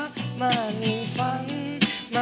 ขอบคุณค่ะ